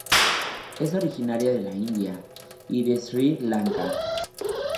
Es originaria de la India y de Sri Lanka.